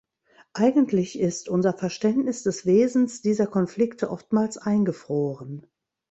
Eigentlich ist unser Verständnis des Wesens dieser Konflikte oftmals eingefroren.